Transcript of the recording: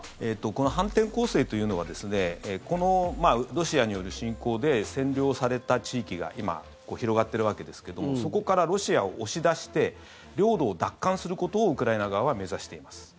この反転攻勢というのはこのロシアによる侵攻で占領された地域が今、広がってるわけですけどそこからロシアを押し出して領土を奪還することをウクライナ側は目指しています。